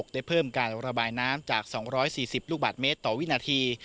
ได้เพิ่มการระบายน้ำจาก๒๔๐ลูกบาทเมตรต่อวินาที